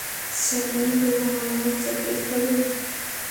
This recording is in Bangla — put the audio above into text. স্যালুট গুহামানব চকলেট খাবেন?